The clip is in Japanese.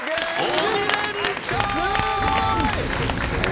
鬼レンチャン。